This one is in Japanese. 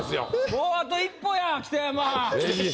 もうあと一歩や北山。